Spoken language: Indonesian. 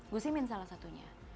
gus imin salah satunya